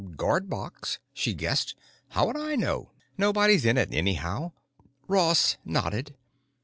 "Guard box," she guessed. "How would I know? Nobody's in it, anyhow." Ross nodded.